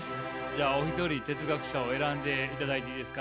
じゃあお一人哲学者を選んでいただいていいですか？